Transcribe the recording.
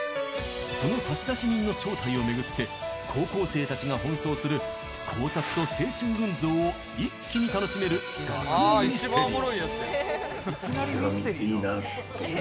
その差出人の正体を巡って高校生たちが奔走する考察と青春群像を一気に楽しめる学園ミステリー。